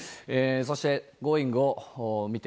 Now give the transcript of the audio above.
そしてＧｏｉｎｇ！を見て